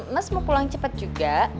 mas mau pulang cepat juga